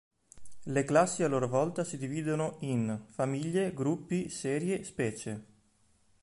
Le classi a loro volta si dividono in famiglie, gruppi, serie, specie.